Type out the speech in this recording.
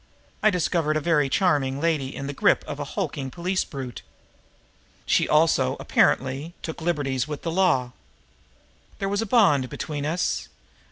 I discovered a very charming young lady in the grip of a hulking police brute. She also, apparently, took liberties with the law. There was a bond between us.